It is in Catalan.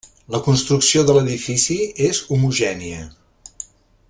La construcció de l'edifici és homogènia.